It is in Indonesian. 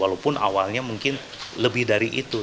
walaupun awalnya mungkin lebih dari itu